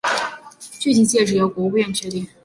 具体界址由国务院确定。